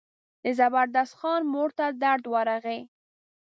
د زبردست خان مور ته درد ورغی.